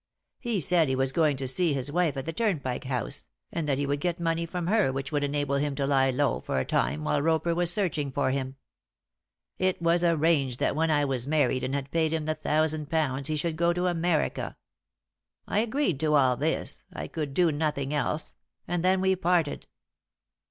He said he was going on to see his wife at the Turnpike House, and that he would get money from her which would enable him to lie low for a time while Roper was searching for him. It was arranged that when I was married and had paid him the thousand pounds he should go to America. I agreed to all this I could do nothing else and then we parted."